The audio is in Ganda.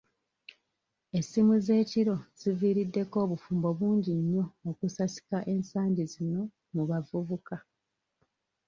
Essimu z'ekiro ziviiriddeko obufumbo bungi nnyo okusasika ensangi zino mu bavubuka.